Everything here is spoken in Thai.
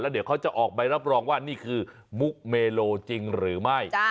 เดี๋ยวเขาจะออกใบรับรองว่านี่คือมุกเมโลจริงหรือไม่